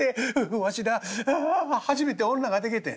わしなああ初めて女がでけてん」。